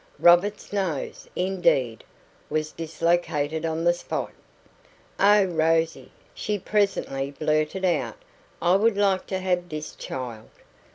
Robert's nose, indeed, was dislocated on the spot. "Oh, Rosie," she presently blurted out, "I would like to have this child!"